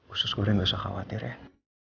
usus goreng gak usah khawatir ya